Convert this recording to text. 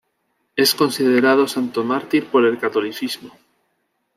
Es considerado santo mártir por el catolicismo.